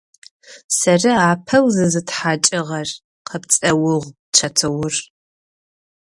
Сэры апэу зызытхьакӏыгъэр! – къэпцӏэугъ Чэтыур.